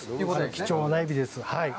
はい、貴重なエビです。